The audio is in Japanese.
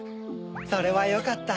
それはよかった。